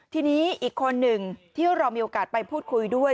ทีนี้อีกคนหนึ่งที่เรามีโอกาสไปพูดคุยด้วย